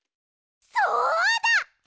そうだ！